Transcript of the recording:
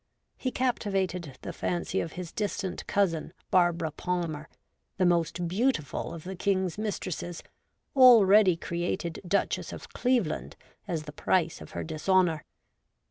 He captivated the fancy of his distant cousin, Barbara Palmer, the most beautiful of the King's mistresses, already created Duchess of Cleveland as the price of her dishonour.